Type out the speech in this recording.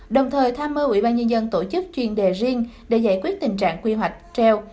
đồng thời tham mơ ủy ban nhân dân tổ chức chuyên đề riêng để giải quyết tình trạng quy hoạch treo